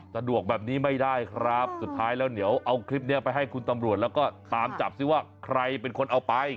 สะดวกแบบนี้ไม่ได้ครับสุดท้ายแล้วเดี๋ยวเอาคลิปนี้ไปให้คุณตำรวจแล้วก็ตามจับสิว่าใครเป็นคนเอาไป